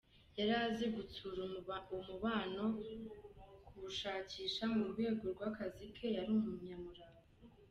Yari azi gutsura umubano no kuwushakisha mu rwego rw’akazi ke, yari umunyamurava.